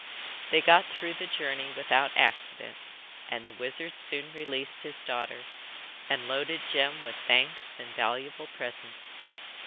They got through the journey without accident, and the wizard soon released his daughter, and loaded Jem with thanks and valuable presents.